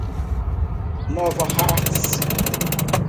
Nova Hartz